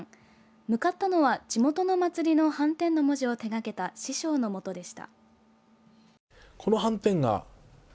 向かったのは、地元の祭りのはんてんの文字を手がけた師匠のもとでした。